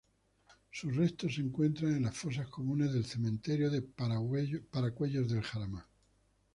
Sus restos se encuentran en las fosas comunes del cementerio de Paracuellos del Jarama.